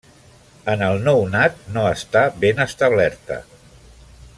En el nounat no està ben establerta.